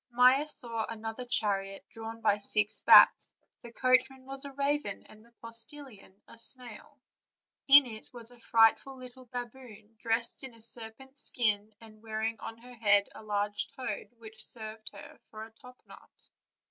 Maia saw another chariot drawn by six bats; the coach man was a raven, and the postilion a snail. In it was a frightful little baboon, dressed in a serpent's skin, and wearing on her head a large toad, which served her for a topknot.